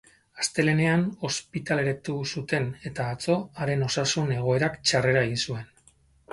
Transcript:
Astelehenean ospitaleratu zuten, eta atzo haren osasun egoerak txarrera egin zuen.